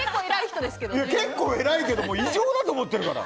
結構偉いけど異常だと思ってるから。